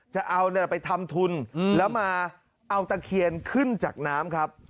จะเอาไปทำทุนแล้วมาเอาตะเคียนขึ้นจากน้ำครับ